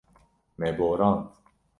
Me borand.